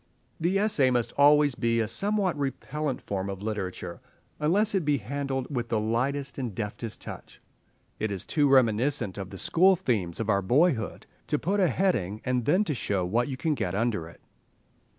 The essay must always be a somewhat repellent form of literature, unless it be handled with the lightest and deftest touch. It is too reminiscent of the school themes of our boyhood—to put a heading and then to show what you can get under it.